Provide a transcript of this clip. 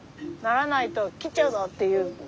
「ならないと切っちゃうぞ！」っていう。